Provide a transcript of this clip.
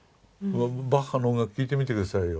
バッハの音楽聞いてみて下さいよ。